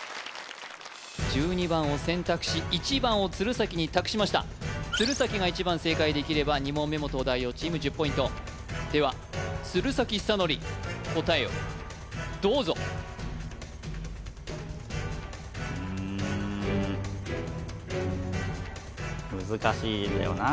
１２番を選択し１番を鶴崎に託しました鶴崎が１番正解できれば２問目も東大王チーム１０ポイントでは鶴崎修功答えをどうぞうん難しいんだよな